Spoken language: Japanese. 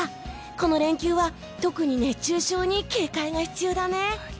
この連休は特に熱中症に警戒が必要だね。